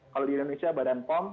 kalau di indonesia badan pom